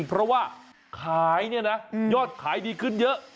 เพราะว่าขายยอดขายดีขึ้นเยอะ